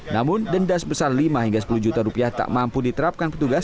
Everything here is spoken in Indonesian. namun denda sebesar lima hingga sepuluh juta rupiah tak mampu diterapkan petugas